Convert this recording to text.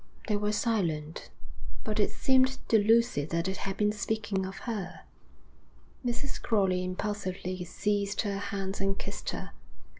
They were silent, but it seemed to Lucy that they had been speaking of her. Mrs. Crowley impulsively seized her hands and kissed her.